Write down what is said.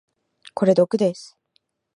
これ毒です。